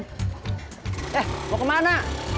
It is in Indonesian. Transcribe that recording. eh mau kemana